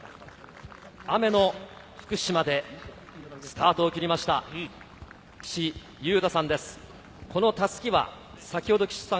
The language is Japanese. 雨の福島でスタートを切りました、岸優太さんです。